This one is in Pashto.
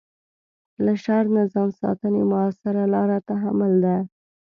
له شر نه ځان ساتنې مؤثره لاره تحمل ده.